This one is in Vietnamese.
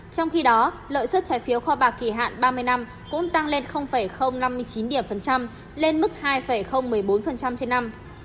trong khi đó lợi suất trái phiếu kho bạc kỳ hạn ba mươi năm cũng tăng lên năm mươi chín điểm phần trăm lên mức hai một mươi bốn trên năm